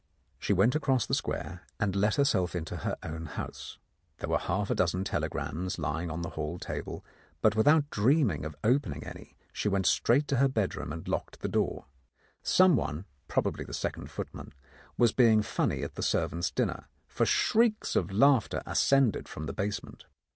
She went across the Square, and let herself into her own house. There were half a dozen telegrams lying on the hall table, but without dreaming of opening any, she went straight to her bedroom and locked the door. Someone — probably the second footman — was being funny at the servants' dinner, for shrieks of laughter ascended from the basement.